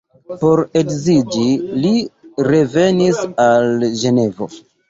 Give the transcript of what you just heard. Por edziĝi li revenis al Ĝenevo.